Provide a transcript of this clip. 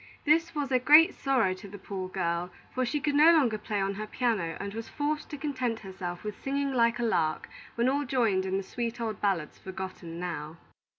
This was a great sorrow to the poor girl; for she could no longer play on her piano, and was forced to content herself with singing like a lark when all joined in the sweet old ballads forgotten now.